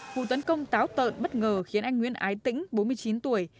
vụ tấn công táo tợn bất ngờ khiến anh nguyễn ái tĩnh bốn mươi chín tuổi